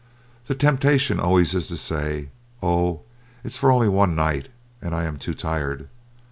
The temptation always is to say, "Oh, it is for only one night, and I am too tired."